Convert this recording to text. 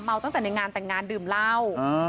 ตั้งแต่ในงานแต่งงานดื่มเหล้า